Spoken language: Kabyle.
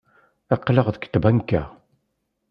Aql-aɣ deg tbanka.